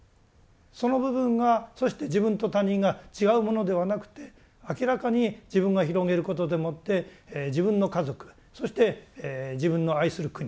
その部分がそして自分と他人が違うものではなくて明らかに自分が広げることでもって自分の家族そして自分の愛する国